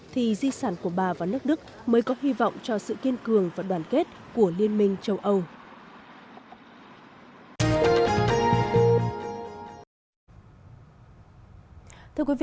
thì di sản của bà và nước đức mới có hy vọng cho sự kiên cường và đoàn kết của liên minh châu âu